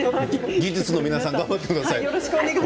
技術の皆さん頑張ってください。